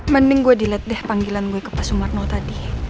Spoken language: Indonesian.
mending gue dilihat deh panggilan gue ke pak sumarno tadi